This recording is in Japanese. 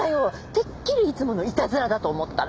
てっきりいつものいたずらだと思ったら。